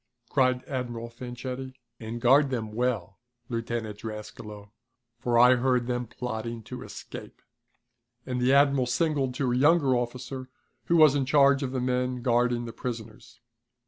cried Admiral Fanchetti. "And guard them well, Lieutenant Drascalo, for I heard them plotting to escape," and the admiral signaled to a younger officer, who was in charge of the men guarding the prisoners.